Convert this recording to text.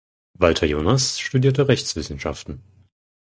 Walter Jonas studierte Rechtswissenschaften.